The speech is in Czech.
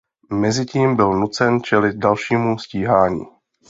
Mezitím byl nucen čelit dalšímu stíhání.